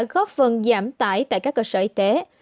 góp phần giảm tải tại các cơ sở y tế